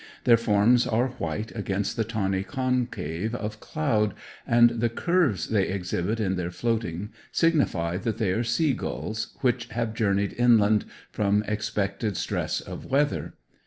Their forms are white against the tawny concave of cloud, and the curves they exhibit in their floating signify that they are sea gulls which have journeyed inland from expected stress of weather.